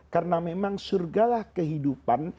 karena memang surgalah kehidupan